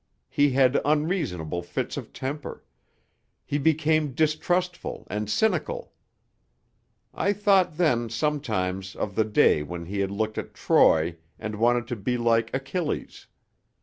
He had unreasonable fits of temper; he became distrustful and cynical. I thought then, sometimes, of the day when he had looked at Troy and wanted to be like Achilles.